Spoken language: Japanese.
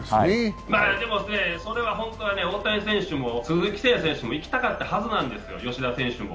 でも、それは本当は大谷選手も鈴木選手も行きたかったはずなんですよ、吉田選手も。